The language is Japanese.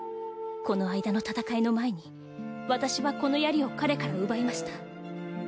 この間の戦いの前に私はこの槍を彼から奪いました。